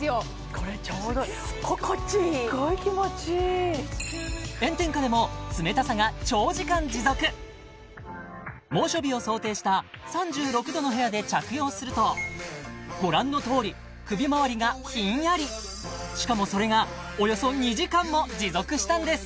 これちょうどいい炎天下でも猛暑日を想定した３６度の部屋で着用するとご覧のとおり首まわりがひんやりしかもそれがおよそ２時間も持続したんです